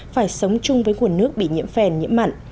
phải sống chung với nguồn nước bị nhiễm phèn nhiễm mặn